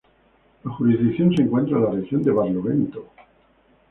La jurisdicción se encuentra en la región de Barlovento.